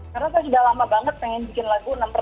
karena saya sudah lama banget pengen bikin lagu enam puluh